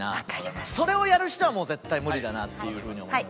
それをやる人はもう絶対無理だなっていう風に思います。